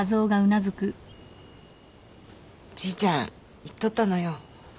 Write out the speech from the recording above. じいちゃん言っとったのよ。